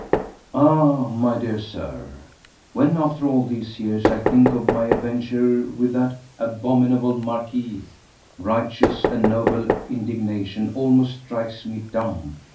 4. Ah, my dear Sir, when after all these years I think of my adventure with that abominable Marquis, righteous and noble indignation almost strikes me dumb.